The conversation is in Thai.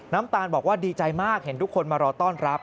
น้ำตาลบอกว่าดีใจมากเห็นทุกคนมารอต้อนรับ